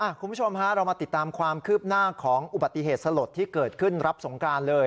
คุณผู้ชมฮะเรามาติดตามความคืบหน้าของอุบัติเหตุสลดที่เกิดขึ้นรับสงกรานเลย